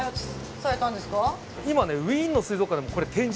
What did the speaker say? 今ねウィーンの水族館でもこれ展示でも使ってる。